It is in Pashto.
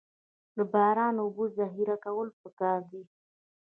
د باران اوبو ذخیره کول پکار دي